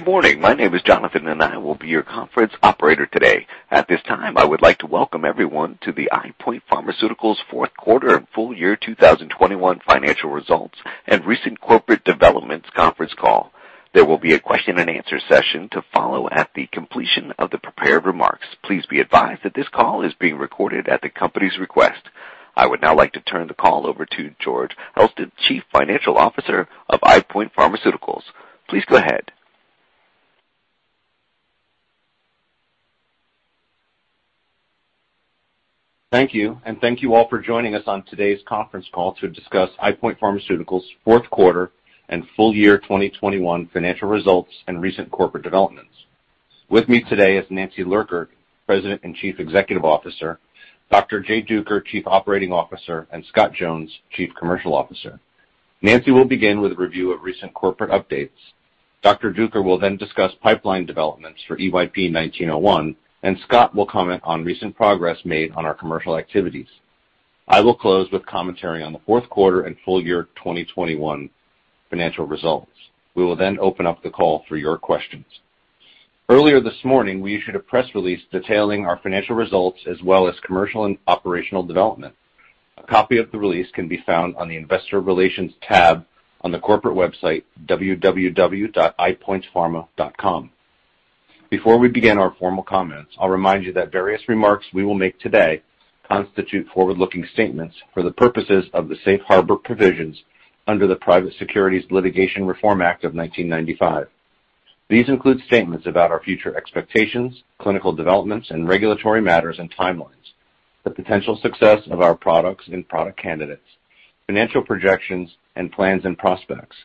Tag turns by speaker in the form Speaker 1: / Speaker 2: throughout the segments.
Speaker 1: Good morning. My name is Jonathan, and I will be your conference operator today. At this time, I would like to welcome everyone to the EyePoint Pharmaceuticals Fourth Quarter and Full Year 2021 Financial Results and Recent Corporate Developments conference call. There will be a question-and-answer session to follow at the completion of the prepared remarks. Please be advised that this call is being recorded at the company's request. I would now like to turn the call over to George Elston, Chief Financial Officer of EyePoint Pharmaceuticals. Please go ahead.
Speaker 2: Thank you, and thank you all for joining us on today's conference call to discuss EyePoint Pharmaceuticals' fourth quarter and full year 2021 financial results and recent corporate developments. With me today is Nancy Lurker, President and Chief Executive Officer, Dr. Jay Duker, Chief Operating Officer, and Scott Jones, Chief Commercial Officer. Nancy will begin with a review of recent corporate updates. Dr. Duker will then discuss pipeline developments for EYP-1901, and Scott will comment on recent progress made on our commercial activities. I will close with commentary on the fourth quarter and full year 2021 financial results. We will then open up the call for your questions. Earlier this morning, we issued a press release detailing our financial results as well as commercial and operational development. A copy of the release can be found on the Investor Relations tab on the corporate website, www.eyepointpharma.com. Before we begin our formal comments, I'll remind you that various remarks we will make today constitute forward-looking statements for the purposes of the safe harbor provisions under the Private Securities Litigation Reform Act of 1995. These include statements about our future expectations, clinical developments and regulatory matters and timelines, the potential success of our products and product candidates, financial projections and plans and prospects.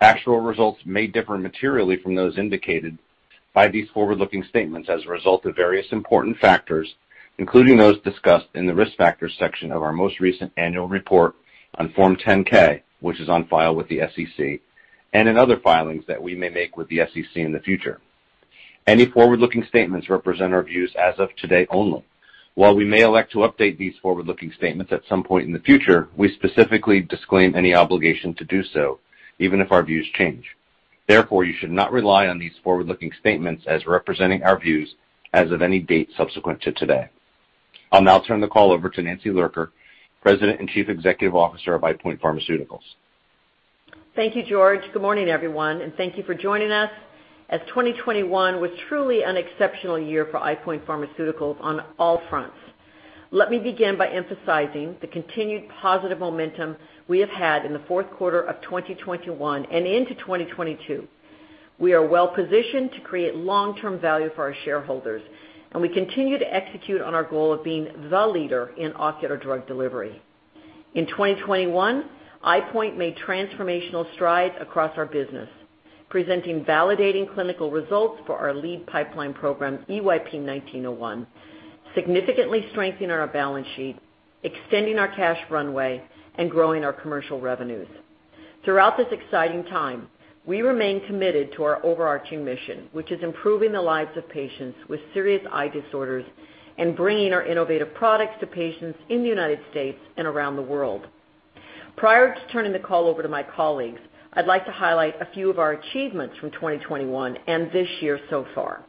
Speaker 2: Actual results may differ materially from those indicated by these forward-looking statements as a result of various important factors, including those discussed in the Risk Factors section of our most recent annual report on Form 10-K, which is on file with the SEC, and in other filings that we may make with the SEC in the future. Any forward-looking statements represent our views as of today only. While we may elect to update these forward-looking statements at some point in the future, we specifically disclaim any obligation to do so, even if our views change. Therefore, you should not rely on these forward-looking statements as representing our views as of any date subsequent to today. I'll now turn the call over to Nancy Lurker, President and Chief Executive Officer of EyePoint Pharmaceuticals.
Speaker 3: Thank you, George. Good morning, everyone, and thank you for joining us, as 2021 was truly an exceptional year for EyePoint Pharmaceuticals on all fronts. Let me begin by emphasizing the continued positive momentum we have had in the fourth quarter of 2021 and into 2022. We are well-positioned to create long-term value for our shareholders, and we continue to execute on our goal of being the leader in ocular drug delivery. In 2021, EyePoint made transformational strides across our business, presenting validating clinical results for our lead pipeline program, EYP-1901, significantly strengthening our balance sheet, extending our cash runway, and growing our commercial revenues. Throughout this exciting time, we remain committed to our overarching mission, which is improving the lives of patients with serious eye disorders and bringing our innovative products to patients in the United States and around the world. Prior to turning the call over to my colleagues, I'd like to highlight a few of our achievements from 2021 and this year so far.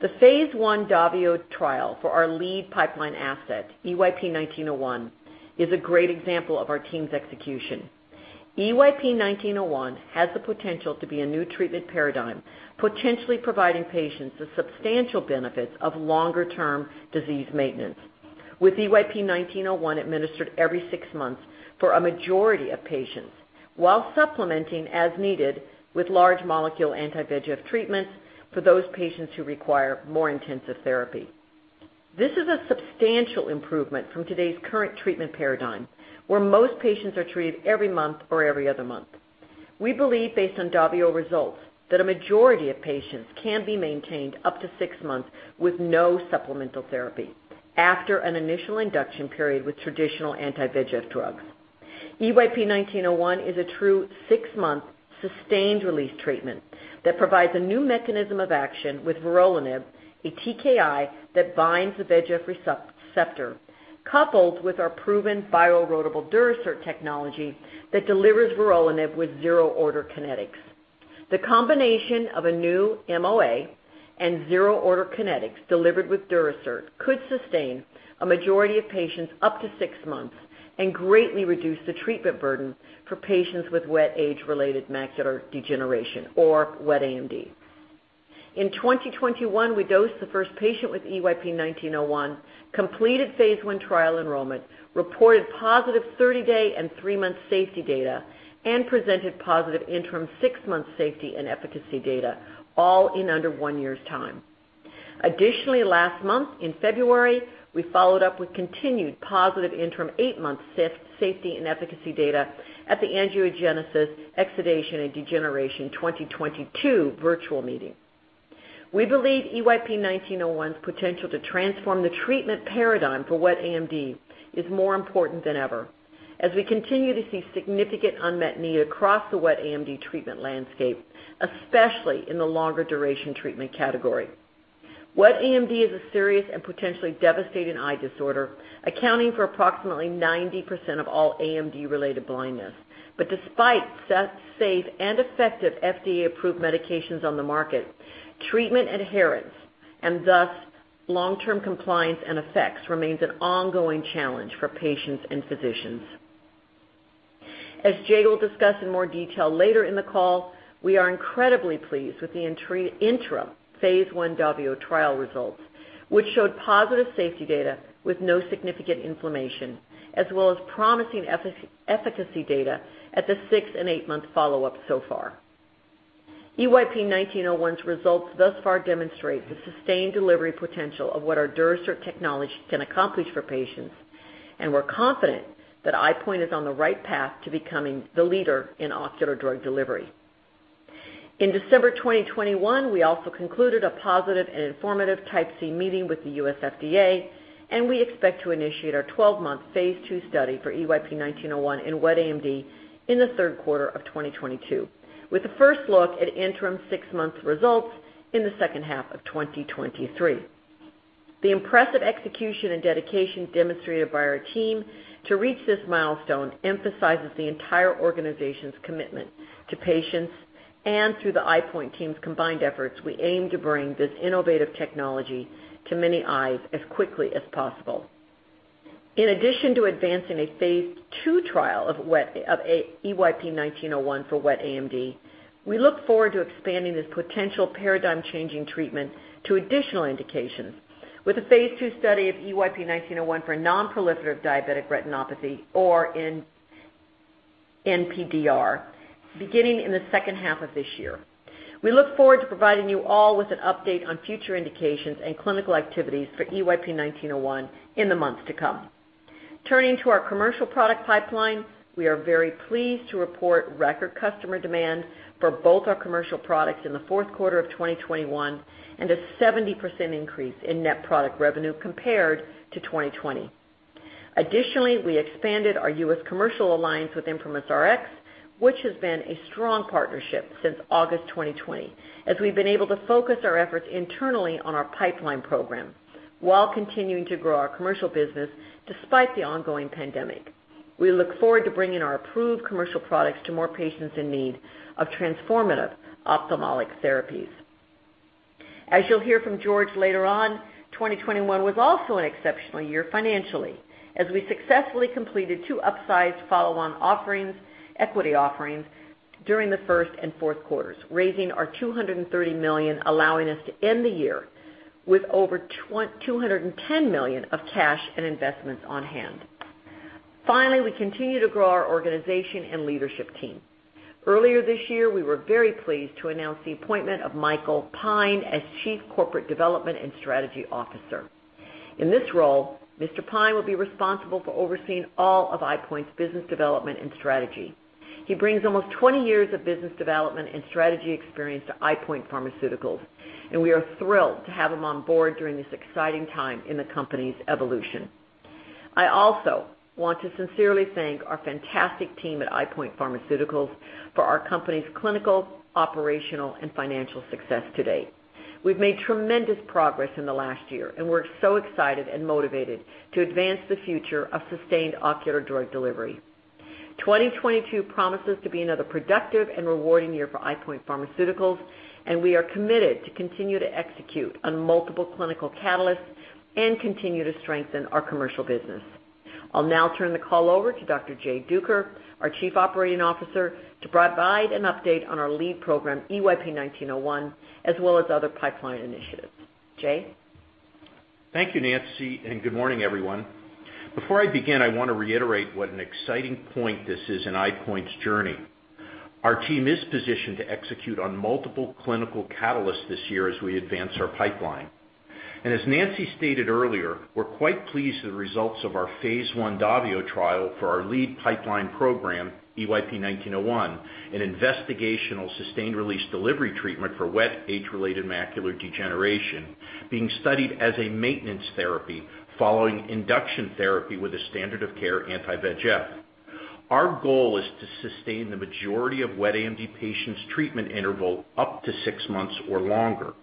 Speaker 3: The phase I DAVIO trial for our lead pipeline asset, EYP-1901, is a great example of our team's execution. EYP-1901 has the potential to be a new treatment paradigm, potentially providing patients the substantial benefits of longer-term disease maintenance, with EYP-1901 administered every six months for a majority of patients while supplementing as needed with large molecule anti-VEGF treatments for those patients who require more intensive therapy. This is a substantial improvement from today's current treatment paradigm, where most patients are treated every month or every other month. We believe, based on DAVIO results, that a majority of patients can be maintained up to six months with no supplemental therapy after an initial induction period with traditional anti-VEGF drugs. EYP-1901 is a true six-month sustained-release treatment that provides a new mechanism of action with vorolanib, a TKI that binds the VEGF receptor, coupled with our proven bioerodible Durasert technology that delivers vorolanib with zero-order kinetics. The combination of a new MOA and zero-order kinetics delivered with Durasert could sustain a majority of patients up to six months and greatly reduce the treatment burden for patients with wet age-related macular degeneration or wet AMD. In 2021, we dosed the first patient with EYP-1901, completed phase I trial enrollment, reported positive 30-day and three-month safety data, and presented positive interim six-month safety and efficacy data, all in under one year's time. Additionally, last month in February, we followed up with continued positive interim eight-month safety and efficacy data at the Angiogenesis, Exudation, and Degeneration 2022 virtual meeting. We believe EYP-1901's potential to transform the treatment paradigm for wet AMD is more important than ever as we continue to see significant unmet need across the wet AMD treatment landscape, especially in the longer duration treatment category. Wet AMD is a serious and potentially devastating eye disorder, accounting for approximately 90% of all AMD-related blindness. Despite safe and effective FDA-approved medications on the market, treatment adherence, and thus long-term compliance and effects remains an ongoing challenge for patients and physicians. As Jay will discuss in more detail later in the call, we are incredibly pleased with the interim phase I DAVIO trial results, which showed positive safety data with no significant inflammation, as well as promising efficacy data at the six- and eight-month follow-up so far. EYP-1901's results thus far demonstrate the sustained delivery potential of what our Durasert technology can accomplish for patients, and we're confident that EyePoint is on the right path to becoming the leader in ocular drug delivery. In December 2021, we also concluded a positive and informative Type C meeting with the U.S. FDA, and we expect to initiate our 12-month phase II study for EYP-1901 in wet AMD in the third quarter of 2022, with the first look at interim six-month results in the second half of 2023. The impressive execution and dedication demonstrated by our team to reach this milestone emphasizes the entire organization's commitment to patients, and through the EyePoint team's combined efforts, we aim to bring this innovative technology to many eyes as quickly as possible. In addition to advancing a phase II trial of EYP-1901 for wet AMD, we look forward to expanding this potential paradigm-changing treatment to additional indications with a phase II study of EYP-1901 for non-proliferative diabetic retinopathy or NPDR, beginning in the second half of this year. We look forward to providing you all with an update on future indications and clinical activities for EYP-1901 in the months to come. Turning to our commercial product pipeline, we are very pleased to report record customer demand for both our commercial products in the fourth quarter of 2021, and a 70% increase in net product revenue compared to 2020. Additionally, we expanded our U.S. commercial alliance with ImprimisRx, which has been a strong partnership since August 2020, as we've been able to focus our efforts internally on our pipeline program while continuing to grow our commercial business despite the ongoing pandemic. We look forward to bringing our approved commercial products to more patients in need of transformative ophthalmic therapies. As you'll hear from George Elston later on, 2021 was also an exceptional year financially, as we successfully completed two upsized follow-on offerings, equity offerings during the first and fourth quarters, raising $230 million, allowing us to end the year with over $210 million of cash and investments on hand. Finally, we continue to grow our organization and leadership team. Earlier this year, we were very pleased to announce the appointment of Michael Pine as Chief Corporate Development and Strategy Officer. In this role, Mr. Pine will be responsible for overseeing all of EyePoint's business development and strategy. He brings almost 20 years of business development and strategy experience to EyePoint Pharmaceuticals, and we are thrilled to have him on board during this exciting time in the company's evolution. I also want to sincerely thank our fantastic team at EyePoint Pharmaceuticals for our company's clinical, operational, and financial success to date. We've made tremendous progress in the last year, and we're so excited and motivated to advance the future of sustained ocular drug delivery. 2022 promises to be another productive and rewarding year for EyePoint Pharmaceuticals, and we are committed to continue to execute on multiple clinical catalysts and continue to strengthen our commercial business. I'll now turn the call over to Dr. Jay Duker, our Chief Operating Officer, to provide an update on our lead program, EYP-1901, as well as other pipeline initiatives. Jay?
Speaker 4: Thank you, Nancy, and good morning, everyone. Before I begin, I want to reiterate what an exciting point this is in EyePoint's journey. Our team is positioned to execute on multiple clinical catalysts this year as we advance our pipeline. As Nancy stated earlier, we're quite pleased with the results of our phase I DAVIO trial for our lead pipeline program, EYP-1901, an investigational sustained-release delivery treatment for wet age-related macular degeneration, being studied as a maintenance therapy following induction therapy with a standard of care anti-VEGF. Our goal is to sustain the majority of wet AMD patients' treatment interval up to six months or longer.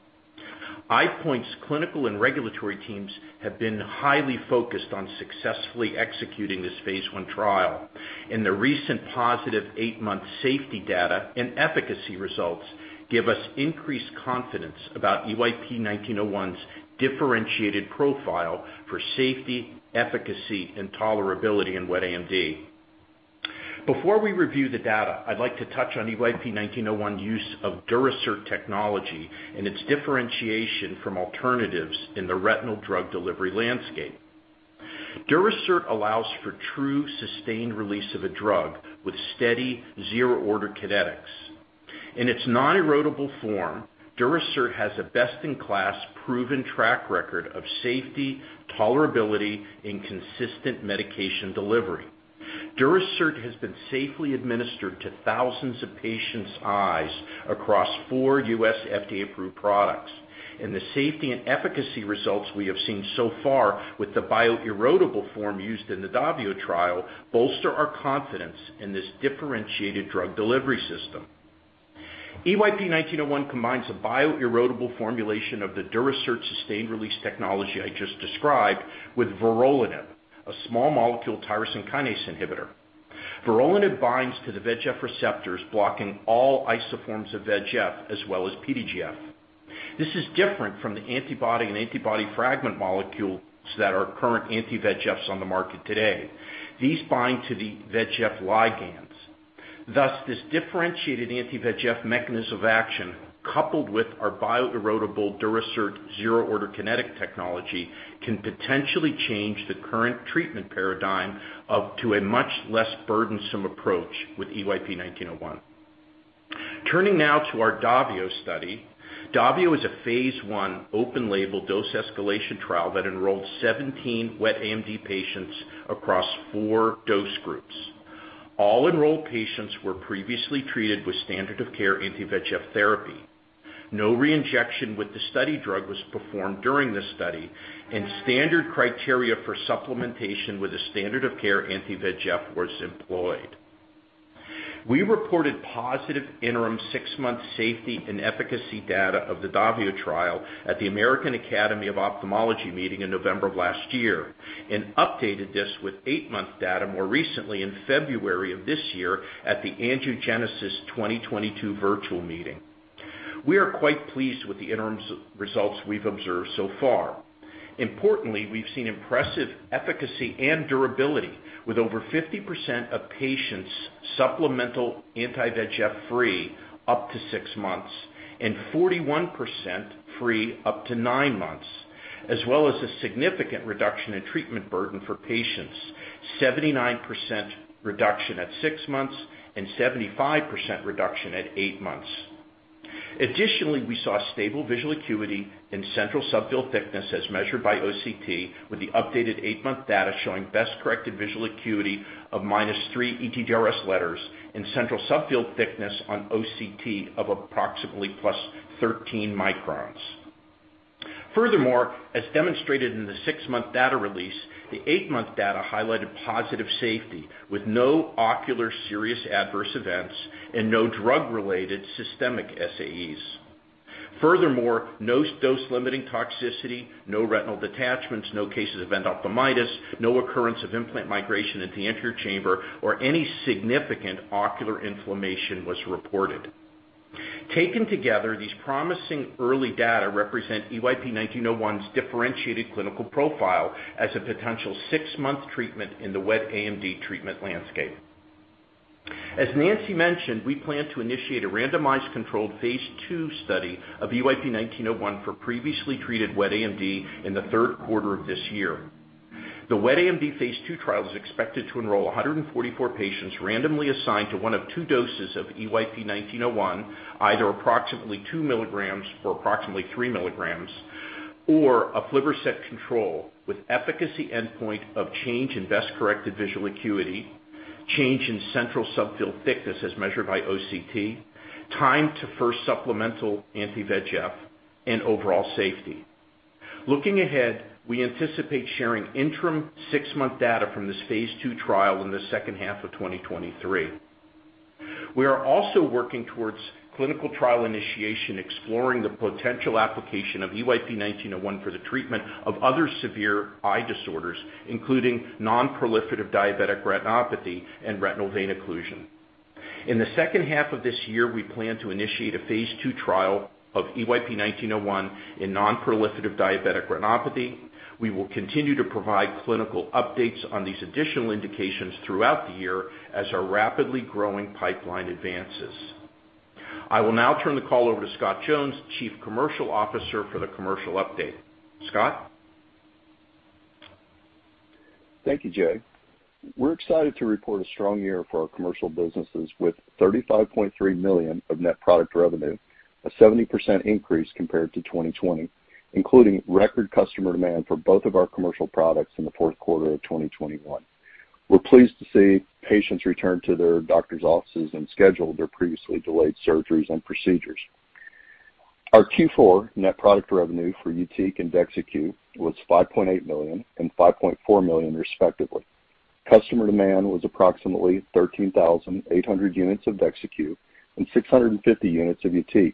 Speaker 4: EyePoint's clinical and regulatory teams have been highly focused on successfully executing this phase I trial, and the recent positive eight-month safety data and efficacy results give us increased confidence about EYP-1901's differentiated profile for safety, efficacy, and tolerability in wet AMD. Before we review the data, I'd like to touch on EYP-1901 use of Durasert technology and its differentiation from alternatives in the retinal drug delivery landscape. Durasert allows for true sustained release of a drug with steady zero-order kinetics. In its nonerodible form, Durasert has a best-in-class proven track record of safety, tolerability, and consistent medication delivery. Durasert has been safely administered to thousands of patients' eyes across four U.S. FDA-approved products, and the safety and efficacy results we have seen so far with the bioerodible form used in the DAVIO trial bolster our confidence in this differentiated drug delivery system. EYP-1901 combines a bioerodible formulation of the Durasert sustained release technology I just described with vorolanib, a small molecule tyrosine kinase inhibitor. Vorolanib binds to the VEGF receptors, blocking all isoforms of VEGF as well as PDGF. This is different from the antibody and antibody fragment molecules that are current anti-VEGFs on the market today. These bind to the VEGF ligands. This differentiated anti-VEGF mechanism of action, coupled with our bioerodible Durasert zero-order kinetics technology, can potentially change the current treatment paradigm up to a much less burdensome approach with EYP-1901. Turning now to our DAVIO study. DAVIO is a phase I open label dose escalation trial that enrolled 17 wet AMD patients across four dose groups. All enrolled patients were previously treated with standard of care anti-VEGF therapy. No reinjection with the study drug was performed during this study, and standard criteria for supplementation with a standard of care anti-VEGF was employed. We reported positive interim six-month safety and efficacy data of the DAVIO trial at the American Academy of Ophthalmology meeting in November of last year, and updated this with eight-month data more recently in February of this year at the Angiogenesis 2022 virtual meeting. We are quite pleased with the interim results we've observed so far. Importantly, we've seen impressive efficacy and durability with over 50% of patients supplemental anti-VEGF free up to six months and 41% free up to nine months, as well as a significant reduction in treatment burden for patients, 79% reduction at six months and 75% reduction at eight months. Additionally, we saw stable visual acuity in central subfield thickness as measured by OCT, with the updated eight-month data showing best-corrected visual acuity of -3 ETDRS letters and central subfield thickness on OCT of approximately +13 microns. Furthermore, as demonstrated in the six-month data release, the eight-month data highlighted positive safety with no ocular serious adverse events and no drug-related systemic SAEs. Furthermore, no dose-limiting toxicity, no retinal detachments, no cases of endophthalmitis, no occurrence of implant migration into the anterior chamber or any significant ocular inflammation was reported. Taken together, these promising early data represent EYP-1901's differentiated clinical profile as a potential six-month treatment in the wet AMD treatment landscape. As Nancy mentioned, we plan to initiate a randomized controlled phase II study of EYP-1901 for previously treated wet AMD in the third quarter of this year. The wet AMD phase II trial is expected to enroll 144 patients randomly assigned to one of two doses of EYP-1901, either approximately 2 mg or approximately 3 mg, or an aflibercept control with efficacy endpoint of change in best-corrected visual acuity, change in central subfield thickness as measured by OCT, time to first supplemental anti-VEGF and overall safety. Looking ahead, we anticipate sharing interim six-month data from this phase II trial in the second half of 2023. We are also working towards clinical trial initiation, exploring the potential application of EYP-1901 for the treatment of other severe eye disorders, including non-proliferative diabetic retinopathy and retinal vein occlusion. In the second half of this year, we plan to initiate a phase II trial of EYP-1901 in non-proliferative diabetic retinopathy. We will continue to provide clinical updates on these additional indications throughout the year as our rapidly growing pipeline advances. I will now turn the call over to Scott Jones, Chief Commercial Officer, for the commercial update. Scott?
Speaker 5: Thank you, Jay. We're excited to report a strong year for our commercial businesses with $35.3 million of net product revenue, a 70% increase compared to 2020, including record customer demand for both of our commercial products in the fourth quarter of 2021. We're pleased to see patients return to their doctor's offices and schedule their previously delayed surgeries and procedures. Our Q4 net product revenue for YUTIQ and DEXYCU was $5.8 million and $5.4 million, respectively. Customer demand was approximately 13,800 units of DEXYCU and 650 units of YUTIQ,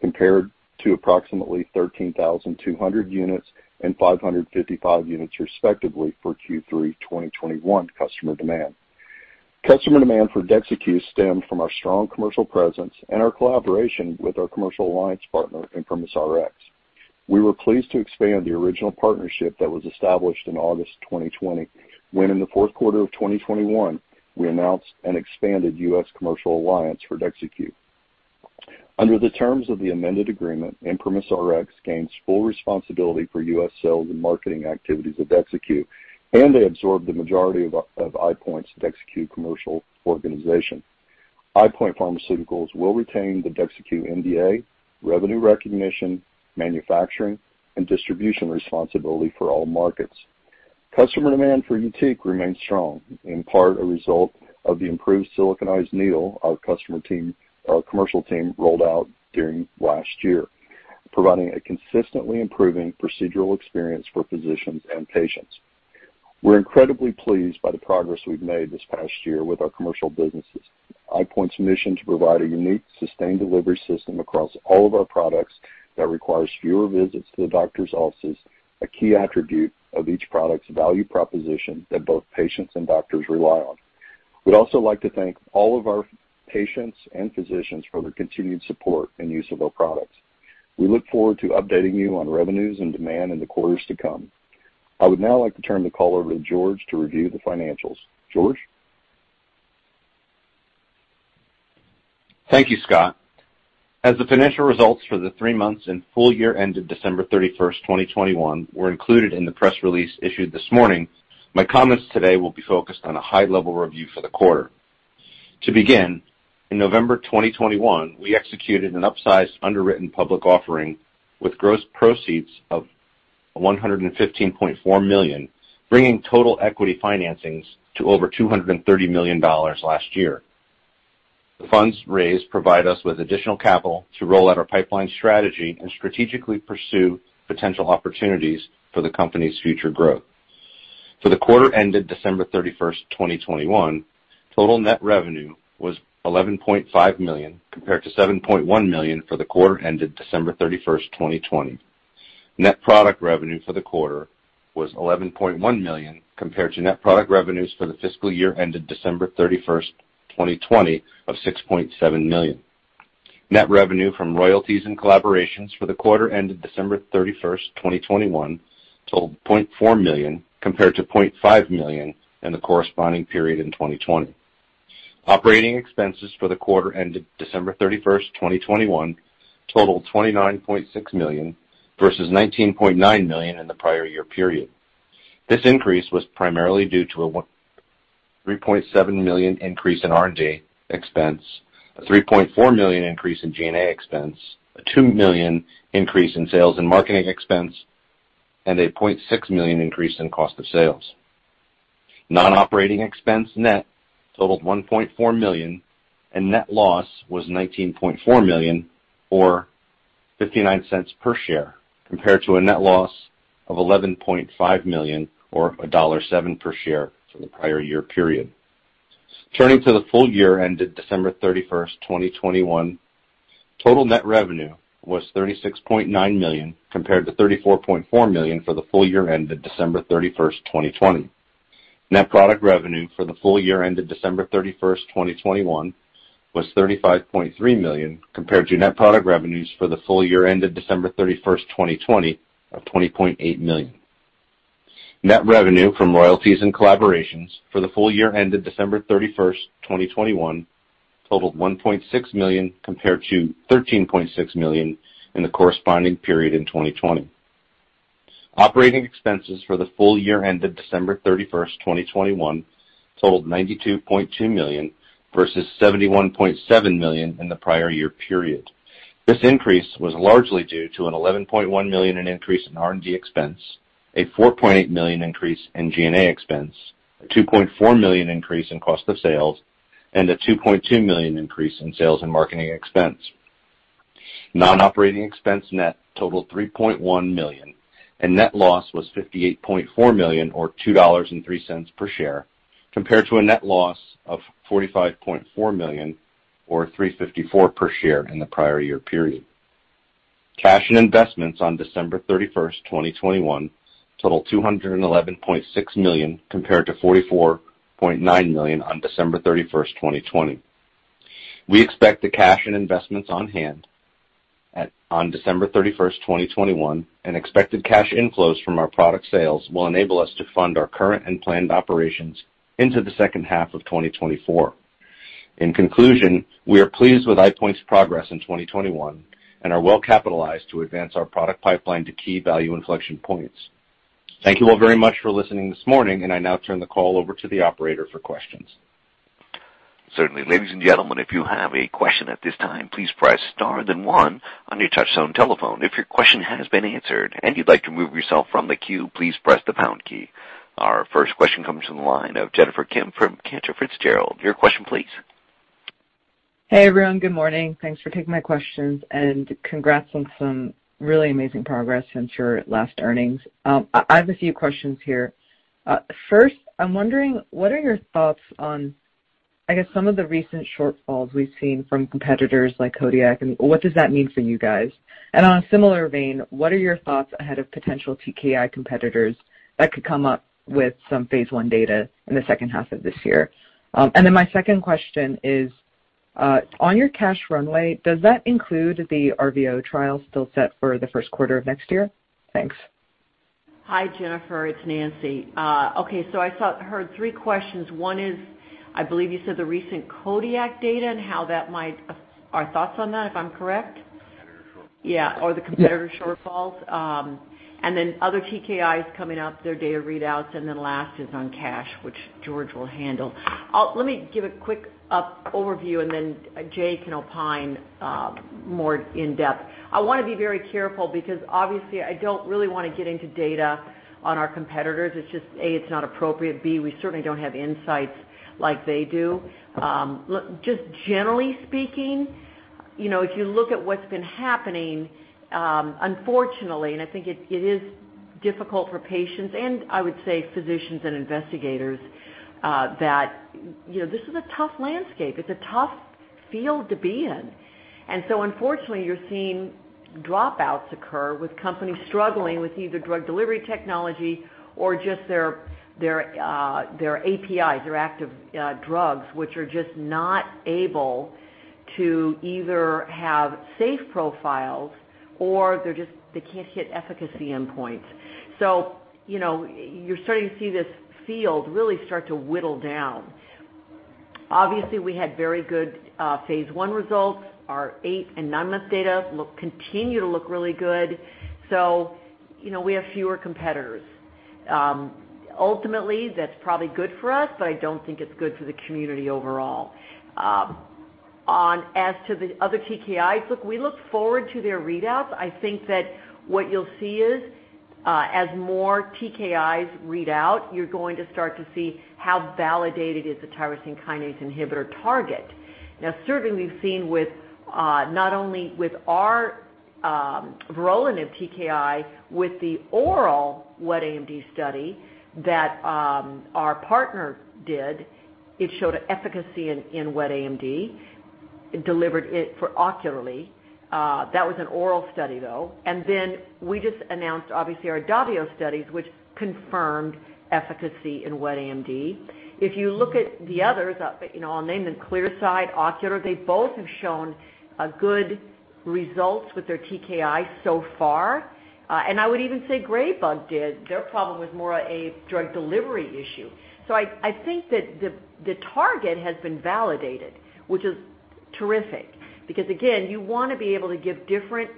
Speaker 5: compared to approximately 13,200 units and 555 units, respectively, for Q3 2021 customer demand. Customer demand for DEXYCU stemmed from our strong commercial presence and our collaboration with our commercial alliance partner, ImprimisRx. We were pleased to expand the original partnership that was established in August 2020 when in the fourth quarter of 2021, we announced an expanded U.S. commercial alliance for DEXYCU. Under the terms of the amended agreement, ImprimisRx gains full responsibility for U.S. sales and marketing activities of DEXYCU, and they absorb the majority of EyePoint's DEXYCU commercial organization. EyePoint Pharmaceuticals will retain the DEXYCU NDA, revenue recognition, manufacturing, and distribution responsibility for all markets. Customer demand for YUTIQ remains strong, in part a result of the improved siliconized needle our commercial team rolled out during last year, providing a consistently improving procedural experience for physicians and patients. We're incredibly pleased by the progress we've made this past year with our commercial businesses. EyePoint's mission to provide a unique, sustained delivery system across all of our products that requires fewer visits to the doctor's offices, a key attribute of each product's value proposition that both patients and doctors rely on. We'd also like to thank all of our patients and physicians for their continued support and use of our products. We look forward to updating you on revenues and demand in the quarters to come. I would now like to turn the call over to George to review the financials. George?
Speaker 2: Thank you, Scott. As the financial results for the three months and full year ended December 31st, 2021 were included in the press release issued this morning, my comments today will be focused on a high-level review for the quarter. To begin, in November 2021, we executed an upsized underwritten public offering with gross proceeds of $115.4 million, bringing total equity financings to over $230 million last year. The funds raised provide us with additional capital to roll out our pipeline strategy and strategically pursue potential opportunities for the company's future growth. For the quarter ended December 31st, 2021, total net revenue was $11.5 million, compared to $7.1 million for the quarter ended December 31st, 2020. Net product revenue for the quarter was $11.1 million, compared to net product revenues for the fiscal year ended December 31st, 2020, of $6.7 million. Net revenue from royalties and collaborations for the quarter ended December 31st, 2021, totaled $0.4 million, compared to $0.5 million in the corresponding period in 2020. Operating expenses for the quarter ended December 31st, 2021, totaled $29.6 million versus $19.9 million in the prior year period. This increase was primarily due to a $13.7 million increase in R&D expense, a $3.4 million increase in G&A expense, a $2 million increase in sales and marketing expense, and a $0.6 million increase in cost of sales. non-operating expense totaled $1.4 million, and net loss was $19.4 million, or $0.59 per share, compared to a net loss of $11.5 million or $1.07 per share for the prior year period. Turning to the full year ended December 31st, 2021, total net revenue was $36.9 million compared to $34.4 million for the full year ended December 31st, 2020. Net product revenue for the full year ended December 31st, 2021 was $35.3 million compared to net product revenues for the full year ended December 31st, 2020 of $20.8 million. Net revenue from royalties and collaborations for the full year ended December 31st, 2021 totaled $1.6 million compared to $13.6 million in the corresponding period in 2020. Operating expenses for the full year ended December 31st, 2021 totaled $92.2 million versus $71.7 million in the prior year period. This increase was largely due to an $11.1 million increase in R&D expense, a $4.8 million increase in G&A expense, a $2.4 million increase in cost of sales, and a $2.2 million increase in sales and marketing expense. Non-operating expense net totaled $3.1 million, and net loss was $58.4 million or $2.03 per share, compared to a net loss of $45.4 million or $3.54 per share in the prior year period. Cash and investments on December 31st, 2021 totaled $211.6 million compared to $44.9 million on December 31st, 2020. We expect the cash and investments on hand on December 31st, 2021, and expected cash inflows from our product sales will enable us to fund our current and planned operations into the second half of 2024. In conclusion, we are pleased with EyePoint's progress in 2021 and are well-capitalized to advance our product pipeline to key value inflection points. Thank you all very much for listening this morning, and I now turn the call over to the operator for questions.
Speaker 1: Certainly. Ladies and gentlemen, if you have a question at this time, please press star then one on your touch tone telephone. If your question has been answered and you'd like to remove yourself from the queue, please press the pound key. Our first question comes from the line of Jennifer Kim from Cantor Fitzgerald. Your question please.
Speaker 6: Hey, everyone. Good morning. Thanks for taking my questions and congrats on some really amazing progress since your last earnings. I have a few questions here. First, I'm wondering what are your thoughts on, I guess, some of the recent shortfalls we've seen from competitors like Kodiak, and what does that mean for you guys? On a similar vein, what are your thoughts ahead of potential TKI competitors that could come up with some phase I data in the second half of this year? Then my second question is, on your cash runway, does that include the RVO trial still set for the first quarter of next year? Thanks.
Speaker 3: Hi, Jennifer. It's Nancy. Okay. I thought I heard three questions. One is, I believe you said the recent Kodiak data and how that might, our thoughts on that, if I'm correct?
Speaker 2: Competitor shortfalls.
Speaker 3: Yeah, the competitor shortfalls. Other TKIs coming up, their data readouts. Last is on cash, which George will handle. Let me give a quick overview, Jay can opine more in depth. I wanna be very careful because obviously I don't really wanna get into data on our competitors. It's just, A, it's not appropriate, B, we certainly don't have insights like they do. Look, just generally speaking You know, if you look at what's been happening, unfortunately, and I think it is difficult for patients and I would say physicians and investigators that you know this is a tough landscape. It's a tough field to be in. Unfortunately, you're seeing dropouts occur with companies struggling with either drug delivery technology or just their APIs, their active drugs, which are just not able to either have safe profiles or they can't hit efficacy endpoints. So, you know, you're starting to see this field really start to whittle down. Obviously, we had very good phase I results. Our eight and nine-month data continue to look really good. So, you know, we have fewer competitors. Ultimately, that's probably good for us, but I don't think it's good for the community overall. As to the other TKIs, look, we look forward to their readouts. I think that what you'll see is, as more TKIs read out, you're going to start to see how validated is the tyrosine kinase inhibitor target. Now, certainly we've seen with, not only with our vorolanib TKI, with the oral wet AMD study that our partner did, it showed efficacy in wet AMD, delivered ocularly. That was an oral study, though. We just announced, obviously, our DAVIO studies, which confirmed efficacy in wet AMD. If you look at the others, you know, I'll name them, Clearside, Ocular, they both have shown good results with their TKIs so far. I would even say Graybug did. Their problem was more a drug delivery issue. I think that the target has been validated, which is terrific because again, you wanna be able to give different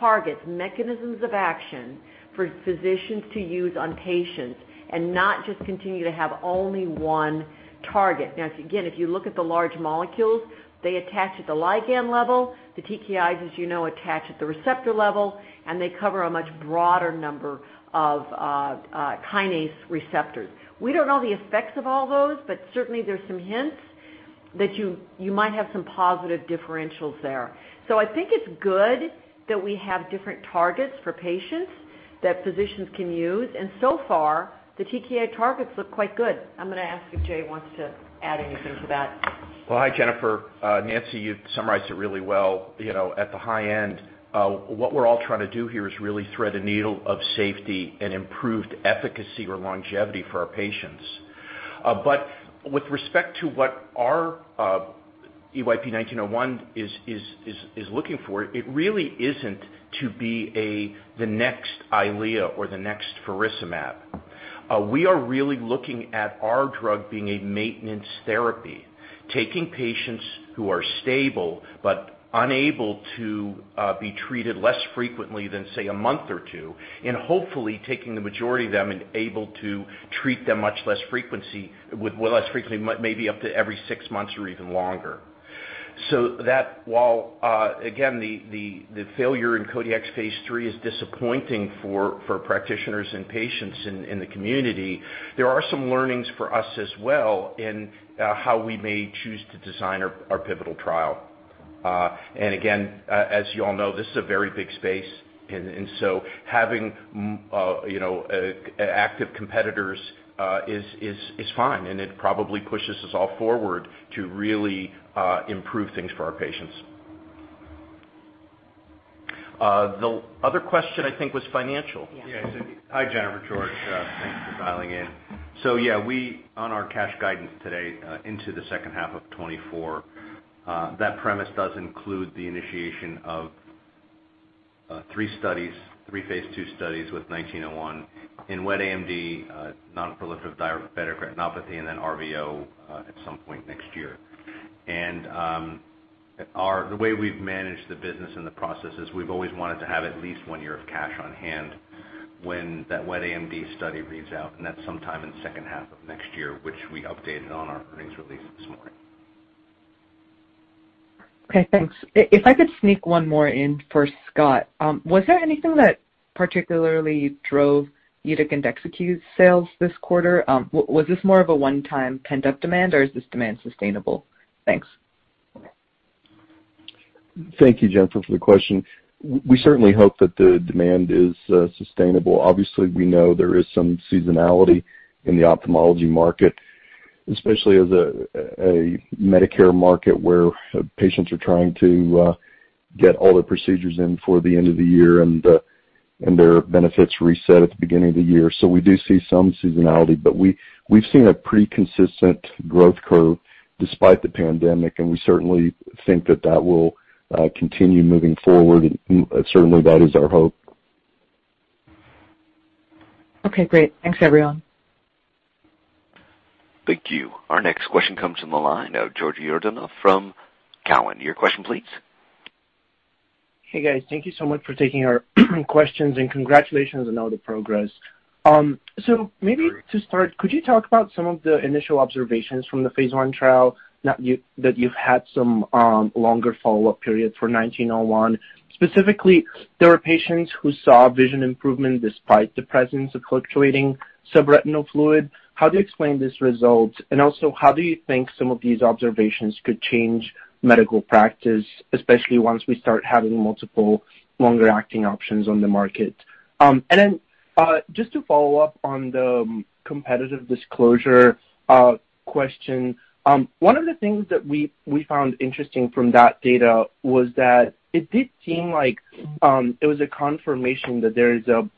Speaker 3: targets, mechanisms of action for physicians to use on patients and not just continue to have only one target. Now, again, if you look at the large molecules, they attach at the ligand level. The TKIs, as you know, attach at the receptor level, and they cover a much broader number of kinase receptors. We don't know the effects of all those, but certainly there's some hints that you might have some positive differentials there. I think it's good that we have different targets for patients that physicians can use, and so far the TKI targets look quite good. I'm gonna ask if Jay wants to add anything to that.
Speaker 4: Well, hi, Jennifer. Nancy, you've summarized it really well. You know, at the high end, what we're all trying to do here is really thread a needle of safety and improved efficacy or longevity for our patients. But with respect to what our EYP-1901 is looking for, it really isn't to be the next EYLEA or the next faricimab. We are really looking at our drug being a maintenance therapy, taking patients who are stable but unable to be treated less frequently than, say, a month or two, and hopefully taking the majority of them and able to treat them much less frequently, maybe up to every six months or even longer. That while again, the failure in Kodiak phase III is disappointing for practitioners and patients in the community, there are some learnings for us as well in how we may choose to design our pivotal trial. Again, as you all know, this is a very big space. Having you know active competitors is fine, and it probably pushes us all forward to really improve things for our patients. The other question, I think, was financial.
Speaker 6: Yes.
Speaker 2: Hi, Jennifer. George. Thanks for dialing in. We, on our cash guidance today, into the second half of 2024, that premise does include the initiation of three phase II studies with EYP-1901 in wet AMD, non-proliferative diabetic retinopathy, and then RVO, at some point next year. The way we've managed the business and the processes, we've always wanted to have at least one year of cash on hand when that wet AMD study reads out, and that's sometime in the second half of next year, which we updated on our earnings release this morning.
Speaker 6: Okay, thanks. If I could sneak one more in for Scott. Was there anything that particularly drove YUTIQ and DEXYCU sales this quarter? Was this more of a one-time pent-up demand, or is this demand sustainable? Thanks.
Speaker 5: Thank you, Jennifer, for the question. We certainly hope that the demand is sustainable. Obviously, we know there is some seasonality in the ophthalmology market, especially as a Medicare market where patients are trying to get all their procedures in before the end of the year and their benefits reset at the beginning of the year. We do see some seasonality, but we've seen a pretty consistent growth curve despite the pandemic, and we certainly think that will continue moving forward. That is our hope.
Speaker 6: Okay, great. Thanks, everyone.
Speaker 1: Thank you. Our next question comes from the line of Georgi Yordanov from Cowen. Your question please.
Speaker 7: Hey, guys. Thank you so much for taking our questions and congratulations on all the progress. Maybe to start, could you talk about some of the initial observations from the phase I trial in EYP-1901 that you've had some longer follow-up periods for? Specifically, there are patients who saw vision improvement despite the presence of fluctuating subretinal fluid. How do you explain these results? Also, how do you think some of these observations could change medical practice, especially once we start having multiple longer-acting options on the market? Just to follow up on the competitive disclosure question. One of the things that we found interesting from that data was that it did seem like it was a confirmation that there is a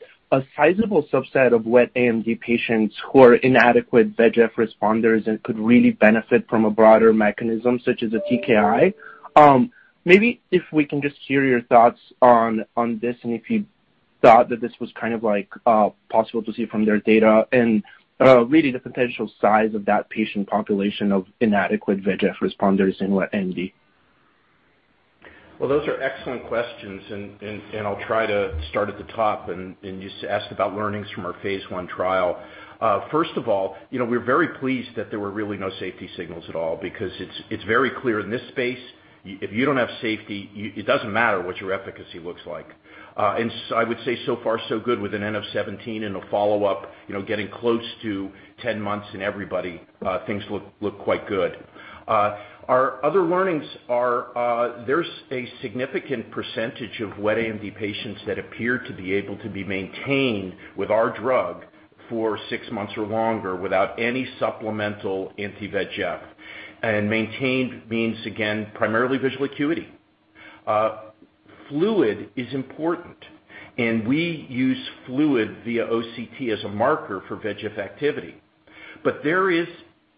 Speaker 7: sizable subset of wet AMD patients who are inadequate VEGF responders and could really benefit from a broader mechanism such as a TKI. Maybe if we can just hear your thoughts on this, and if you thought that this was kind of like possible to see from their data and really the potential size of that patient population of inadequate VEGF responders in wet AMD.
Speaker 4: Well, those are excellent questions, and I'll try to start at the top and you just asked about learnings from our phase I trial. First of all, you know, we're very pleased that there were really no safety signals at all because it's very clear in this space, if you don't have safety, you, it doesn't matter what your efficacy looks like. I would say so far so good with an N of 17 and a follow-up, you know, getting close to 10 months in everybody, things look quite good. Our other learnings are, there's a significant percentage of wet AMD patients that appear to be able to be maintained with our drug for six months or longer without any supplemental anti-VEGF. Maintained means, again, primarily visual acuity. Fluid is important, and we use fluid via OCT as a marker for VEGF activity. There is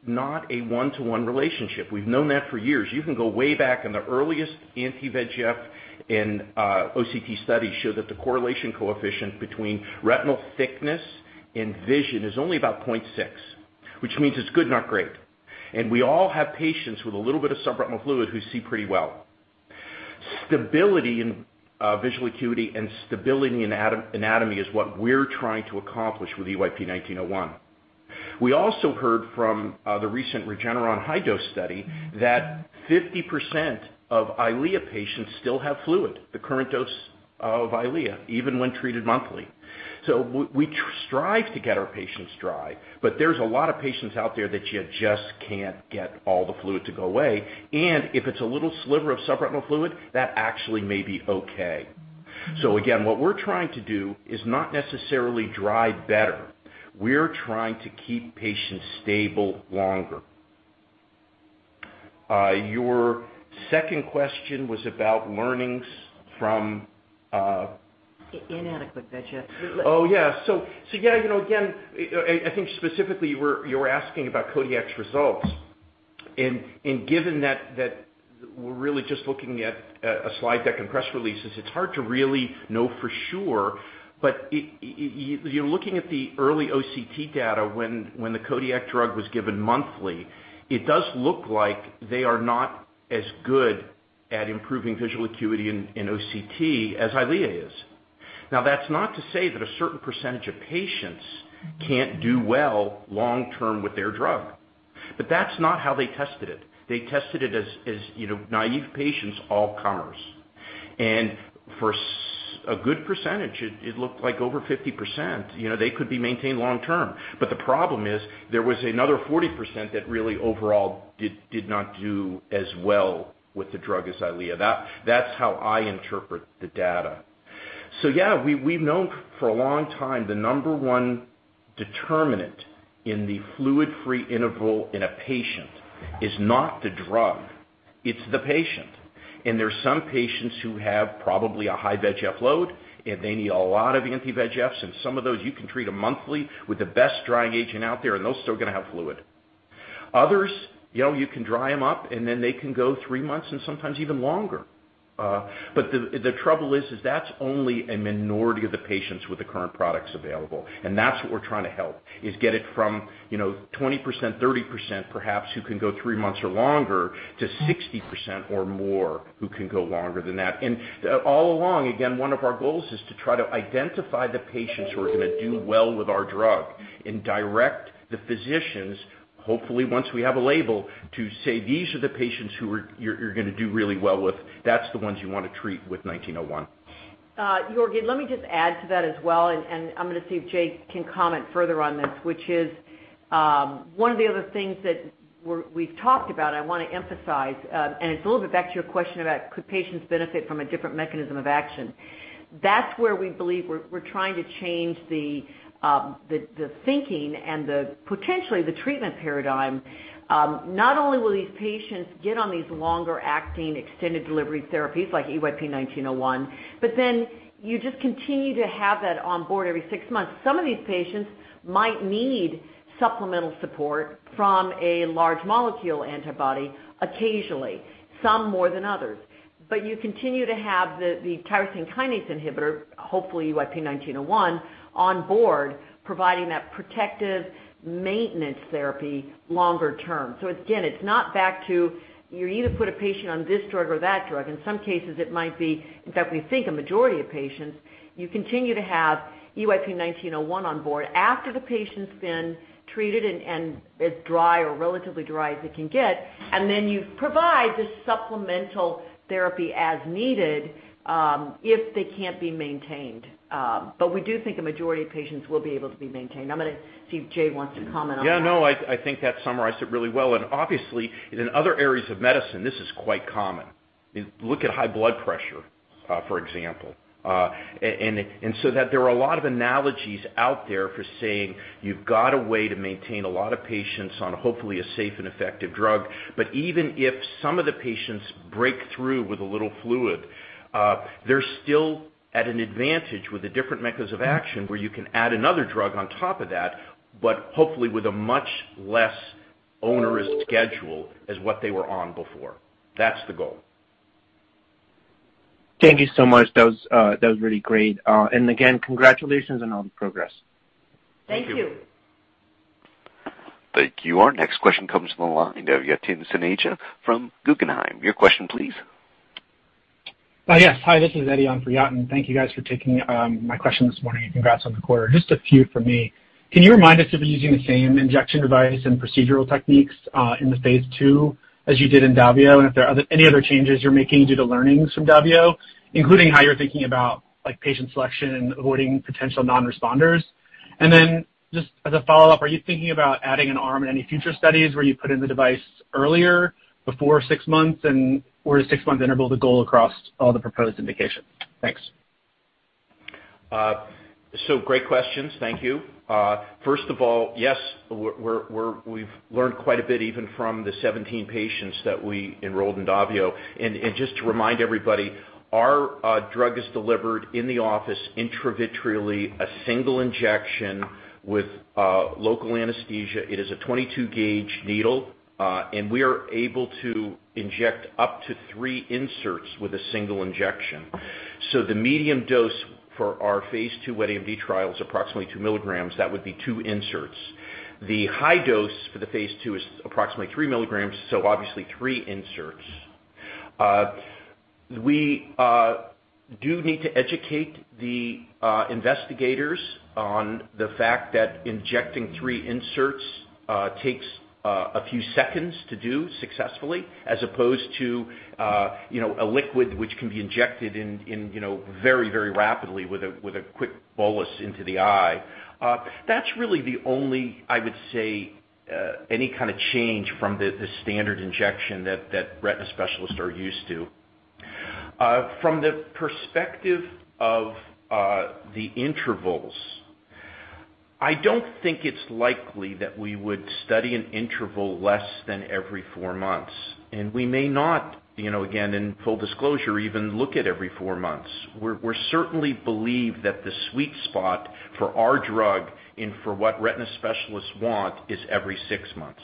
Speaker 4: not a one-to-one relationship. We've known that for years. You can go way back in the earliest anti-VEGF, and OCT studies show that the correlation coefficient between retinal thickness and vision is only about 0.6, which means it's good, not great. We all have patients with a little bit of subretinal fluid who see pretty well. Stability in visual acuity and stability in anatomy is what we're trying to accomplish with EYP-1901. We also heard from the recent Regeneron high-dose study that 50% of EYLEA patients still have fluid, the current dose of EYLEA, even when treated monthly. We strive to get our patients dry, but there's a lot of patients out there that you just can't get all the fluid to go away. If it's a little sliver of subretinal fluid, that actually may be okay. Again, what we're trying to do is not necessarily dry better. We're trying to keep patients stable longer. Your second question was about learnings from.
Speaker 3: Inadequate VEGF.
Speaker 4: Yeah, you know, again, I think specifically you were asking about Kodiak's results. Given that we're really just looking at a slide deck and press releases, it's hard to really know for sure. You're looking at the early OCT data when the Kodiak drug was given monthly. It does look like they are not as good at improving visual acuity in OCT as EYLEA is. Now, that's not to say that a certain percentage of patients can't do well long term with their drug, but that's not how they tested it. They tested it as, you know, naive patients, all comers. For a good percentage, it looked like over 50%, you know, they could be maintained long term. The problem is there was another 40% that really overall did not do as well with the drug as EYLEA. That's how I interpret the data. Yeah, we've known for a long time the number one determinant in the fluid-free interval in a patient is not the drug, it's the patient. There are some patients who have probably a high VEGF load, and they need a lot of anti-VEGFs, and some of those, you can treat them monthly with the best drying agent out there, and they'll still gonna have fluid. Others, you know, you can dry them up, and then they can go three months and sometimes even longer. The trouble is that's only a minority of the patients with the current products available. That's what we're trying to help, is get it from, you know, 20%, 30% perhaps who can go three months or longer to 60% or more who can go longer than that. All along, again, one of our goals is to try to identify the patients who are gonna do well with our drug and direct the physicians, hopefully once we have a label, to say, "These are the patients you're gonna do really well with. That's the ones you wanna treat with 1901.
Speaker 3: Georgi, let me just add to that as well, and I'm gonna see if Jay can comment further on this, which is one of the other things that we've talked about. I wanna emphasize. It's a little bit back to your question about could patients benefit from a different mechanism of action. That's where we believe we're trying to change the thinking and potentially the treatment paradigm. Not only will these patients get on these longer acting extended delivery therapies like EYP-1901, but then you just continue to have that on board every six months. Some of these patients might need supplemental support from a large molecule antibody occasionally, some more than others. You continue to have the tyrosine kinase inhibitor, hopefully EYP-1901, on board, providing that protective maintenance therapy longer term. Again, it's not binary either put a patient on this drug or that drug. In some cases, it might be. In fact, we think a majority of patients, you continue to have EYP-1901 on board after the patient's been treated and as dry or relatively dry as it can get. Then you provide the supplemental therapy as needed if they can't be maintained. We do think a majority of patients will be able to be maintained. I'm gonna see if Jay wants to comment on that.
Speaker 4: Yeah, no, I think that summarized it really well. Obviously, in other areas of medicine, this is quite common. Look at high blood pressure, for example. There are a lot of analogies out there for saying you've got a way to maintain a lot of patients on hopefully a safe and effective drug. Even if some of the patients break through with a little fluid, they're still at an advantage with a different mechanism of action where you can add another drug on top of that, but hopefully with a much less onerous schedule as what they were on before. That's the goal.
Speaker 7: Thank you so much. That was really great. Again, congratulations on all the progress.
Speaker 3: Thank you.
Speaker 1: Thank you. Our next question comes from the line of Yatin Suneja from Guggenheim. Your question, please.
Speaker 8: Yes. Hi, this is Eddie on for Yatin. Thank you guys for taking my question this morning, and congrats on the quarter. Just a few from me. Can you remind us if you're using the same injection device and procedural techniques in the phase II as you did in DAVIO, and if there are any other changes you're making due to learnings from DAVIO, including how you're thinking about, like, patient selection and avoiding potential non-responders? Just as a follow-up, are you thinking about adding an arm in any future studies where you put in the device earlier before six months, and where is six months interval the goal across all the proposed indications? Thanks.
Speaker 4: Great questions. Thank you. First of all, yes, we've learned quite a bit even from the 17 patients that we enrolled in DAVIO. Just to remind everybody, our drug is delivered in the office intravitreally, a single injection with local anesthesia. It is a 22-gauge needle, and we are able to inject up to three inserts with a single injection. The medium dose for our phase II wet AMD trial is approximately 2 mg. That would be two inserts. The high dose for the phase II is approximately 3 mg, so obviously three inserts. We do need to educate the investigators on the fact that injecting three inserts takes a few seconds to do successfully as opposed to, you know, a liquid which can be injected in you know very rapidly with a quick bolus into the eye. That's really the only, I would say, any kind of change from the standard injection that retina specialists are used to. From the perspective of the intervals, I don't think it's likely that we would study an interval less than every four months, and we may not, you know, again, in full disclosure, even look at every four months. We certainly believe that the sweet spot for our drug and for what retina specialists want is every six months.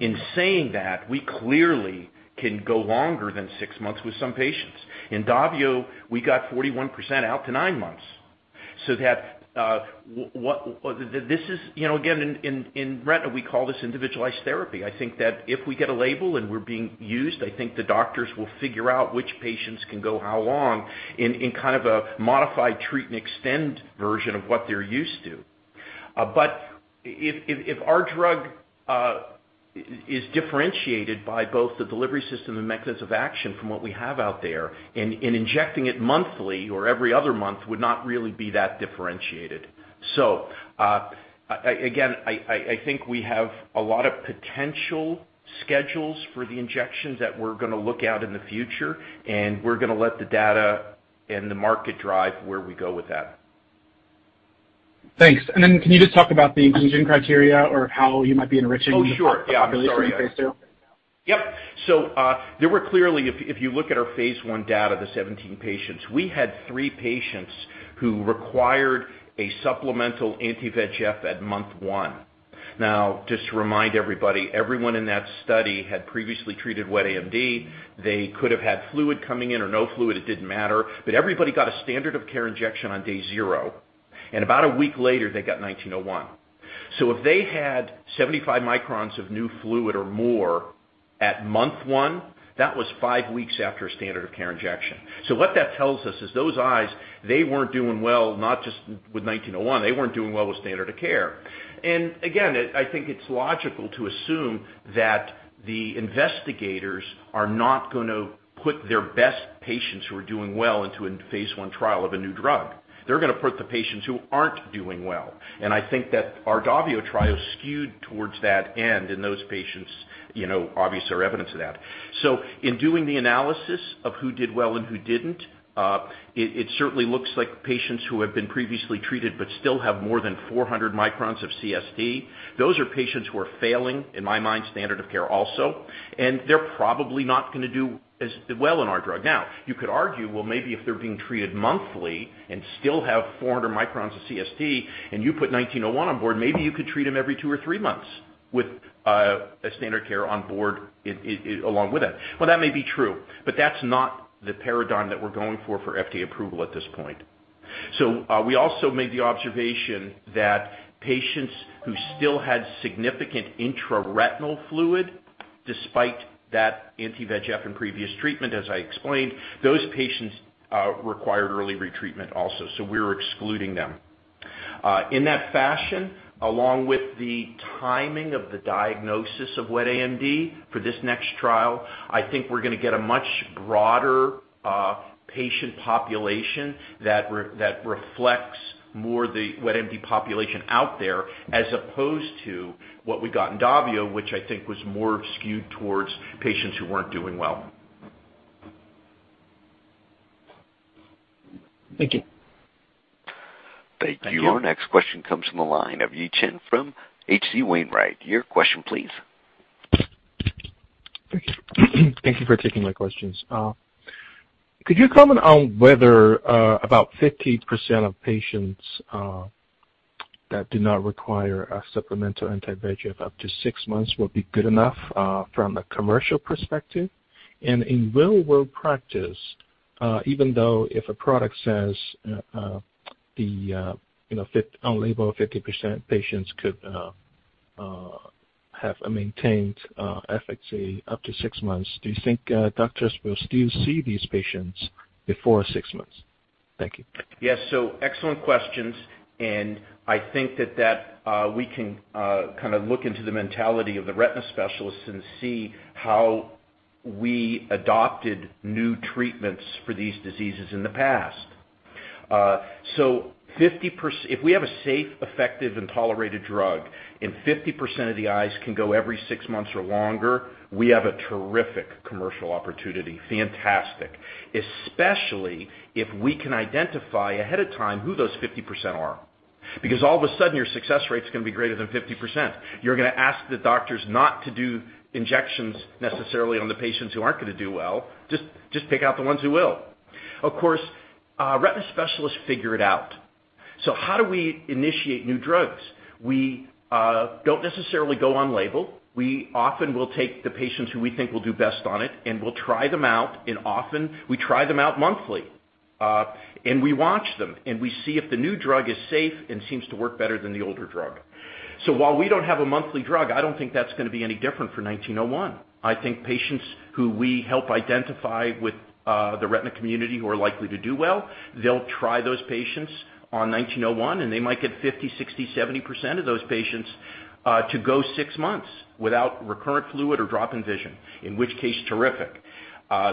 Speaker 4: In saying that, we clearly can go longer than six months with some patients. In DAVIO, we got 41% out to nine months. That this is, again, in retina, we call this individualized therapy. I think that if we get a label and we're being used, I think the doctors will figure out which patients can go how long in kind of a modified treat and extend version of what they're used to. If our drug is differentiated by both the delivery system and the mechanisms of action from what we have out there, injecting it monthly or every other month would not really be that differentiated. I think we have a lot of potential schedules for the injections that we're gonna look at in the future, and we're gonna let the data and the market drive where we go with that.
Speaker 8: Thanks. Can you just talk about the inclusion criteria or how you might be enriching the?
Speaker 4: Oh, sure. Yeah. I'm sorry.
Speaker 8: Population in phase II?
Speaker 4: Yep. There were clearly, if you look at our phase I data, the 17 patients, we had three patients who required a supplemental anti-VEGF at month one. Now, just to remind everybody, everyone in that study had previously treated wet AMD. They could have had fluid coming in or no fluid, it didn't matter. Everybody got a standard of care injection on day 0, and about a week later, they got EYP-1901. If they had 75 microns of new fluid or more at month one, that was five weeks after a standard of care injection. What that tells us is those eyes, they weren't doing well, not just with EYP-1901, they weren't doing well with standard of care. Again, I think it's logical to assume that the investigators are not gonna put their best patients who are doing well into a phase I trial of a new drug. They're gonna put the patients who aren't doing well. I think that our DAVIO trial skewed towards that end, and those patients, you know, obviously are evidence of that. In doing the analysis of who did well and who didn't, it certainly looks like patients who have been previously treated but still have more than 400 microns of CST, those are patients who are failing, in my mind, standard of care also. They're probably not gonna do as well in our drug. Now, you could argue, well, maybe if they're being treated monthly and still have 400 microns of CST and you put 1901 on board, maybe you could treat them every two or three months with a standard care on board along with it. Well, that may be true, but that's not the paradigm that we're going for for FDA approval at this point. We also made the observation that patients who still had significant intraretinal fluid despite that anti-VEGF in previous treatment, as I explained, those patients required early retreatment also, so we're excluding them. In that fashion, along with the timing of the diagnosis of wet AMD for this next trial, I think we're gonna get a much broader patient population that reflects more the wet AMD population out there as opposed to what we got in DAVIO, which I think was more skewed towards patients who weren't doing well.
Speaker 9: Thank you.
Speaker 1: Thank you. Our next question comes from the line of Yi Chen from H.C. Wainwright. Your question please.
Speaker 9: Thank you. Thank you for taking my questions. Could you comment on whether about 50% of patients that do not require a supplemental anti-VEGF up to six months will be good enough from a commercial perspective? In real world practice, even though if a product says, you know, 50% patients could have a maintained efficacy up to six months, do you think doctors will still see these patients before six months? Thank you.
Speaker 4: Yes. Excellent questions, and I think we can kind of look into the mentality of the retina specialists and see how we adopted new treatments for these diseases in the past. If we have a safe, effective, and tolerated drug, and 50% of the eyes can go every six months or longer, we have a terrific commercial opportunity. Fantastic. Especially if we can identify ahead of time who those 50% are. Because all of a sudden, your success rate's gonna be greater than 50%. You're gonna ask the doctors not to do injections necessarily on the patients who aren't gonna do well, just pick out the ones who will. Of course, retina specialists figure it out. How do we initiate new drugs? We don't necessarily go on label. We often will take the patients who we think will do best on it, and we'll try them out, and often we try them out monthly. We watch them, and we see if the new drug is safe and seems to work better than the older drug. While we don't have a monthly drug, I don't think that's gonna be any different for EYP-1901. I think patients who we help identify with, the retina community who are likely to do well, they'll try those patients on EYP-1901, and they might get 50%, 60%, 70% of those patients to go six months without recurrent fluid or drop in vision, in which case, terrific.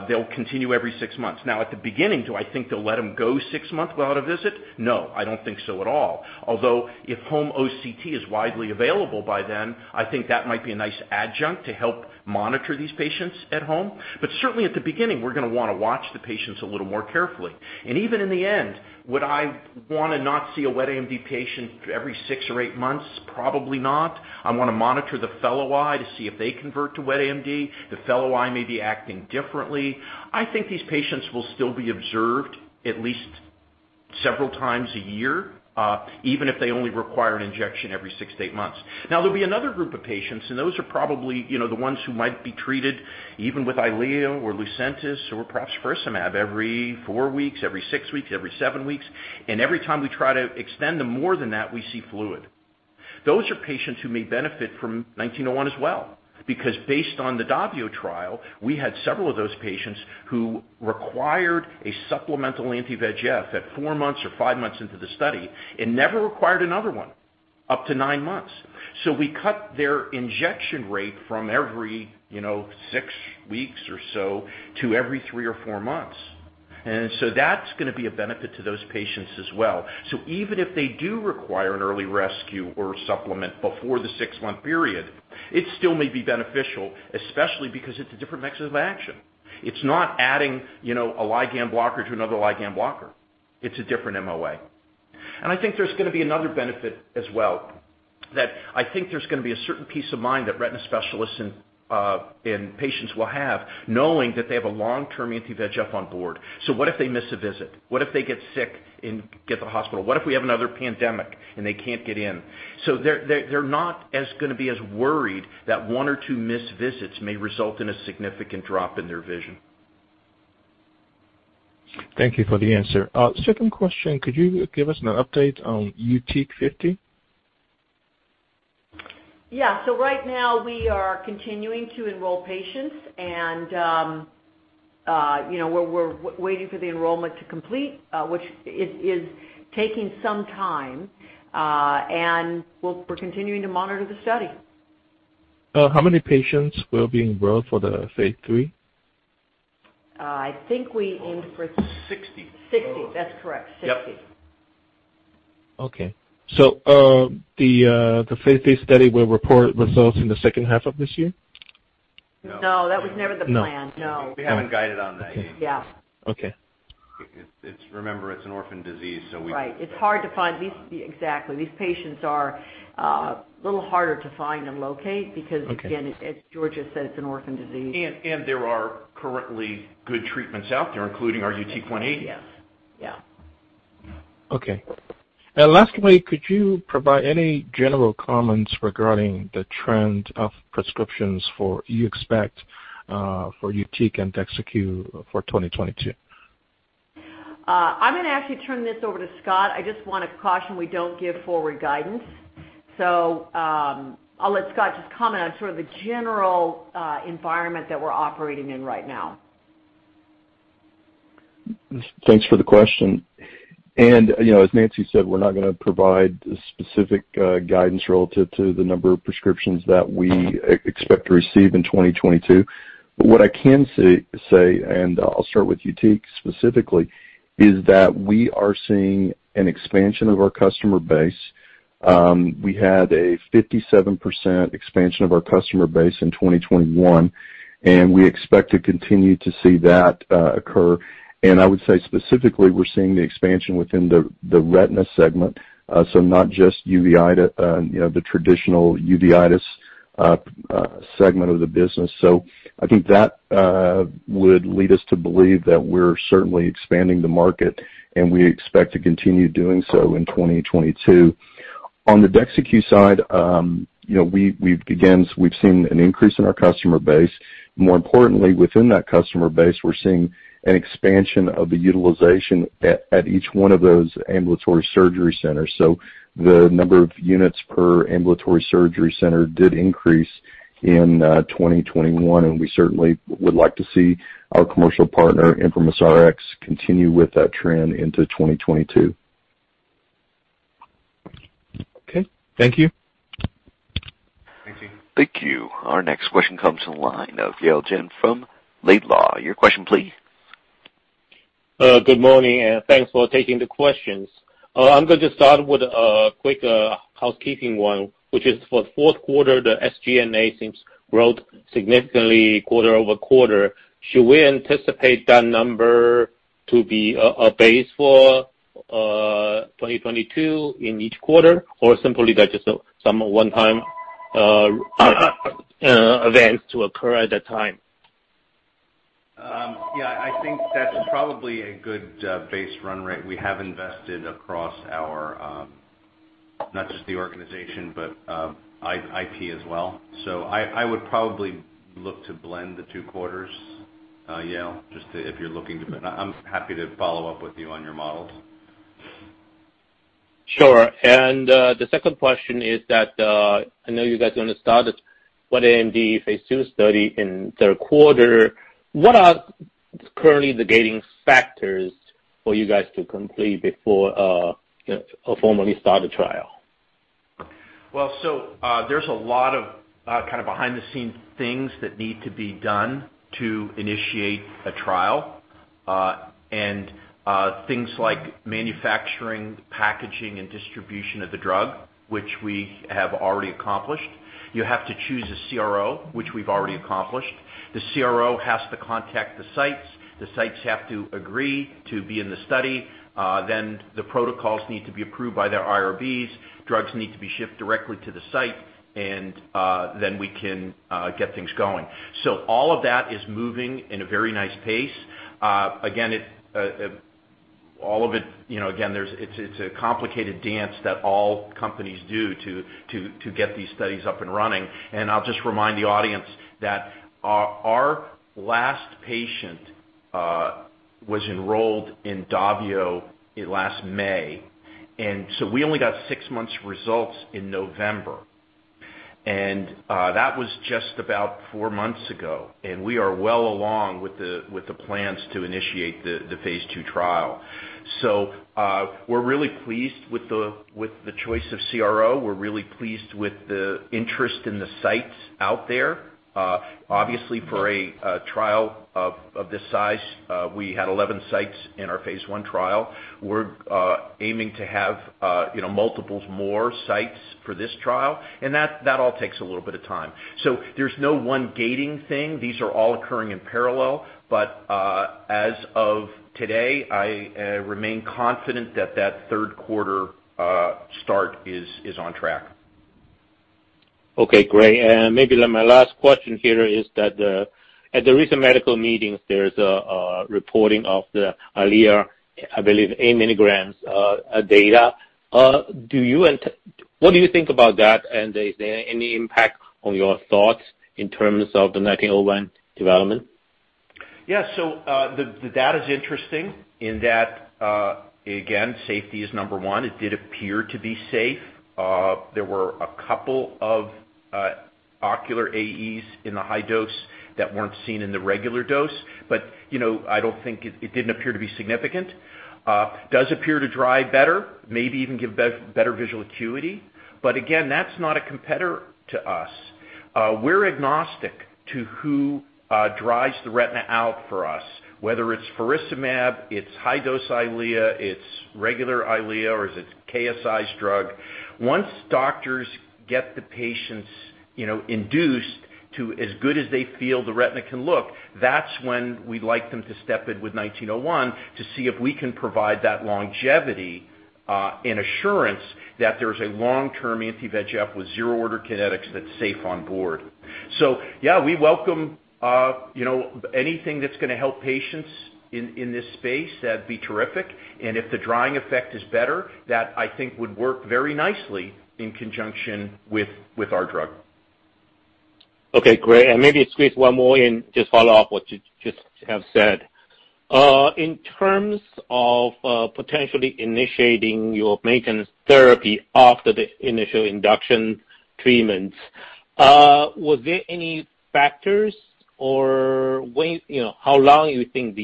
Speaker 4: They'll continue every six months. Now, at the beginning, do I think they'll let them go six months without a visit? No, I don't think so at all. Although if home OCT is widely available by then, I think that might be a nice adjunct to help monitor these patients at home. Certainly at the beginning, we're gonna wanna watch the patients a little more carefully. Even in the end, would I wanna not see a wet AMD patient every six or eight months? Probably not. I wanna monitor the fellow eye to see if they convert to wet AMD. The fellow eye may be acting differently. I think these patients will still be observed at least several times a year, even if they only require an injection every 6 to 8 months. Now, there'll be another group of patients, and those are probably, you know, the ones who might be treated even with EYLEA or Lucentis or perhaps first faricimab every four weeks, every six weeks, every seven weeks. Every time we try to extend them more than that, we see fluid. Those are patients who may benefit from 1901 as well. Because based on the DAVIO trial, we had several of those patients who required a supplemental anti-VEGF at four months or five months into the study and never required another one up to nine months. We cut their injection rate from every, you know, six weeks or so to every three or four months. That's gonna be a benefit to those patients as well. Even if they do require an early rescue or supplement before the six-month period, it still may be beneficial, especially because it's a different mechanism of action. It's not adding, you know, a ligand blocker to another ligand blocker. It's a different MOA. I think there's gonna be another benefit as well, that I think there's gonna be a certain peace of mind that retina specialists and patients will have knowing that they have a long-term anti-VEGF on board. What if they miss a visit? What if they get sick and get to the hospital? What if we have another pandemic and they can't get in? They're not gonna be as worried that one or two missed visits may result in a significant drop in their vision.
Speaker 9: Thank you for the answer. Second question, could you give us an update on YUTIQ?
Speaker 3: Yeah. Right now we are continuing to enroll patients and, you know, we're waiting for the enrollment to complete, which is taking some time, and we're continuing to monitor the study.
Speaker 9: How many patients were being enrolled for phase III?
Speaker 3: I think we aimed for.
Speaker 4: 60.
Speaker 3: 60. That's correct. 60.
Speaker 4: Yep.
Speaker 9: The phase III study will report results in the second half of this year?
Speaker 3: No, that was never the plan.
Speaker 2: No.
Speaker 3: No.
Speaker 2: We haven't guided on that.
Speaker 3: Yeah.
Speaker 9: Okay.
Speaker 2: Remember, it's an orphan disease, so we
Speaker 3: Right. It's hard to find these. Exactly. These patients are a little harder to find and locate because.
Speaker 9: Okay.
Speaker 3: Again, as George said, it's an orphan disease.
Speaker 4: There are currently good treatments out there, including our YUTIQ.
Speaker 3: Yes. Yeah.
Speaker 9: Okay. Lastly, could you provide any general comments regarding the trend of prescriptions, what you expect for YUTIQ and DEXYCU for 2022?
Speaker 3: I'm gonna actually turn this over to Scott. I just wanna caution we don't give forward guidance. I'll let Scott just comment on sort of the general environment that we're operating in right now.
Speaker 5: Thanks for the question. You know, as Nancy said, we're not gonna provide specific guidance relative to the number of prescriptions that we expect to receive in 2022. But what I can say, and I'll start with YUTIQ specifically, is that we are seeing an expansion of our customer base. We had a 57% expansion of our customer base in 2021, and we expect to continue to see that occur. I would say specifically, we're seeing the expansion within the retina segment, so not just uveitis, you know, the traditional uveitis segment of the business. So I think that would lead us to believe that we're certainly expanding the market, and we expect to continue doing so in 2022. On the DEXYCU side, you know, we've again seen an increase in our customer base. More importantly, within that customer base, we're seeing an expansion of the utilization at each one of those ambulatory surgery centers. The number of units per ambulatory surgery center did increase in 2021, and we certainly would like to see our commercial partner, ImprimisRx, continue with that trend into 2022.
Speaker 10: Okay. Thank you.
Speaker 1: Thank you. Our next question comes from the line of Yale Jen from Laidlaw. Your question please.
Speaker 10: Good morning, and thanks for taking the questions. I'm going to start with a quick housekeeping one, which is for the fourth quarter, the SG&A seems growth significantly quarter-over-quarter. Should we anticipate that number to be a base for 2022 in each quarter? Simply that's just some one-time event to occur at that time?
Speaker 4: Yeah, I think that's probably a good base run rate. We have invested across our not just the organization, but IP as well. I would probably look to blend the two quarters, Yale, just if you're looking to. I'm happy to follow up with you on your models.
Speaker 10: Sure. The second question is that, I know you guys are gonna start with AMD phase II study in third quarter. What are currently the gating factors for you guys to complete before, you know, formally start the trial?
Speaker 4: There's a lot of kind of behind the scenes things that need to be done to initiate a trial. Things like manufacturing, packaging and distribution of the drug, which we have already accomplished. You have to choose a CRO, which we've already accomplished. The CRO has to contact the sites, the sites have to agree to be in the study, then the protocols need to be approved by their IRBs. Drugs need to be shipped directly to the site, and then we can get things going. All of that is moving in a very nice pace. All of it, you know, again, it's a complicated dance that all companies do to get these studies up and running. I'll just remind the audience that our last patient was enrolled in DAVIO last May. We only got six months results in November. That was just about four months ago. We are well along with the plans to initiate the phase II trial. We're really pleased with the choice of CRO. We're really pleased with the interest in the sites out there. Obviously for a trial of this size, we had 11 sites in our phase I trial. We're aiming to have, you know, multiples more sites for this trial, and that all takes a little bit of time. There's no one gating thing. These are all occurring in parallel. As of today, I remain confident that third quarter start is on track.
Speaker 10: Okay, great. Maybe my last question here is that at the recent medical meetings, there's a reporting of the EYLEA, I believe, 8 mg data. What do you think about that? Is there any impact on your thoughts in terms of the EYP-1901 development?
Speaker 4: Yeah. The data is interesting in that, again, safety is number one. It did appear to be safe. There were a couple of ocular AEs in the high dose that weren't seen in the regular dose. You know, I don't think it didn't appear to be significant. It does appear to dry better, maybe even give better visual acuity. Again, that's not a competitor to us. We're agnostic to who dries the retina out for us, whether it's faricimab, it's high-dose EYLEA, it's regular EYLEA, or is it KSI's drug. Once doctors get the patients, you know, induced to as good as they feel the retina can look, that's when we'd like them to step in with EYP-1901 to see if we can provide that longevity, and assurance that there's a long-term anti-VEGF with zero-order kinetics that's safe on board. Yeah, we welcome, you know, anything that's gonna help patients in this space, that'd be terrific. If the drying effect is better, that I think would work very nicely in conjunction with our drug.
Speaker 10: Okay, great. Maybe squeeze one more in. Just follow up what you just have said. In terms of potentially initiating your maintenance therapy after the initial induction treatments, was there any factors, you know, how long you think.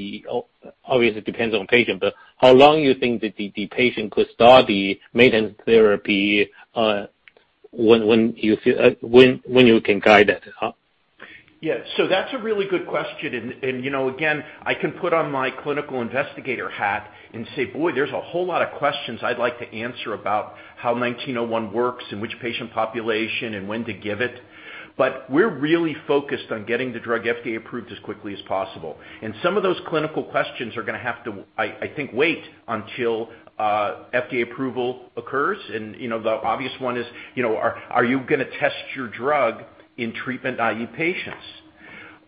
Speaker 10: Obviously, it depends on patient, but how long you think that the patient could start the maintenance therapy, when you can guide that?
Speaker 4: Yeah. That's a really good question. You know, again, I can put on my clinical investigator hat and say, "Boy, there's a whole lot of questions I'd like to answer about how EYP-1901 works and which patient population and when to give it." We're really focused on getting the drug FDA approved as quickly as possible. Some of those clinical questions are gonna have to, I think, wait until FDA approval occurs. You know, the obvious one is, you know, are you gonna test your drug in treatment-naive patients?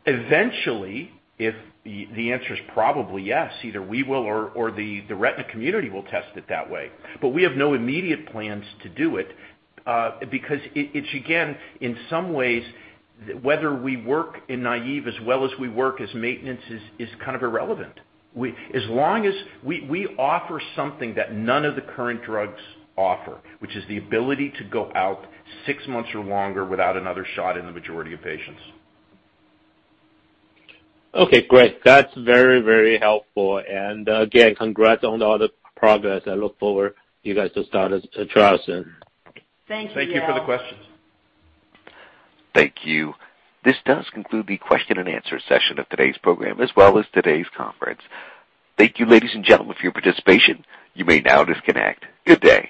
Speaker 4: Eventually, the answer is probably yes, either we will or the retina community will test it that way. We have no immediate plans to do it, because it's again, in some ways, whether we work in naive as well as we work as maintenance is kind of irrelevant. As long as we offer something that none of the current drugs offer, which is the ability to go out six months or longer without another shot in the majority of patients.
Speaker 10: Okay, great. That's very, very helpful. Again, congrats on all the progress. I look forward you guys to start a trial soon.
Speaker 4: Thank you for the question.
Speaker 1: Thank you. This does conclude the question-and-answer session of today's program, as well as today's conference. Thank you, ladies and gentlemen, for your participation. You may now disconnect. Good day.